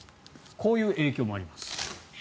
こういう影響もあります。